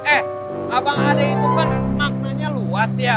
eh abang adik itu kan maknanya luasnya